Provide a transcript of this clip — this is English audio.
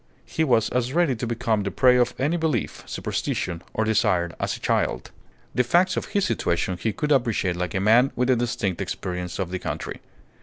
He was as ready to become the prey of any belief, superstition, or desire as a child. The facts of his situation he could appreciate like a man with a distinct experience of the country.